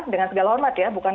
dengan segala hormat ya